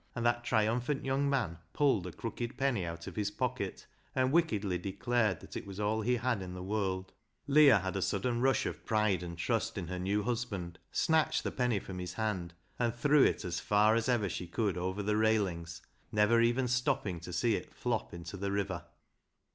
and that triumphant young man pulled a crooked penny out of his pocket, and wickedly declared that it was all he had in the world, Leah had a sudden rush of pride and trust in her new husband, snatched the penny from his hand, and threw it as far as ever she could over the railings, never even stopping to see it flop into the river.